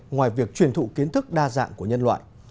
ngoài việc truyền thụ kiến thức đa dạng của nhân loại